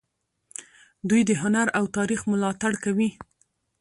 دوی د هنر او تاریخ ملاتړ کوي.